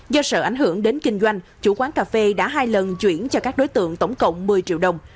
do sợ ảnh hưởng đến kinh doanh chủ quán cà phê đã hai lần chuyển cho các đối tượng tổng cộng một mươi triệu đồng